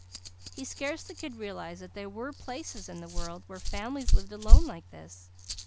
He scarcely could realize that there were places in the world where families lived alone like this.